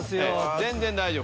全然大丈夫！